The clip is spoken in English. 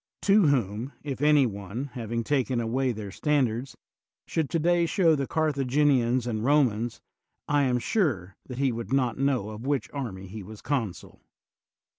— to whom, if any one, having taken away their standards, should today show the Carthaginians and Eomans, I am sure that he would not know of which army he was consul.